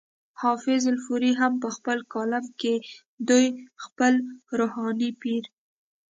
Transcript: حافظ الپورۍ هم پۀ خپل کالم کې دوي خپل روحاني پير